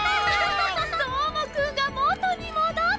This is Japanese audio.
どーもくんがもとにもどった！